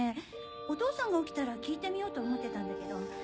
お父さんが起きたら聞いてみようと思ってたんだけど。